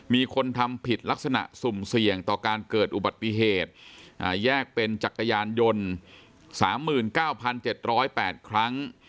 มีคนทำผิดลักษณะสุ่มเสี่ยงต่อการเกิดอุบัติเหตุอ่าแยกเป็นจักรยานยนต์สามหมื่นเก้าพันเจ็ดร้อยแปดครั้ง